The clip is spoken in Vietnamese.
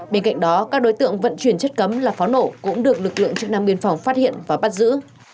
bên cạnh đó các đối tượng vận chuyển chất cấm là pháo nổ cũng được lực lượng chức năng biên phòng phát hiện và bắt giữ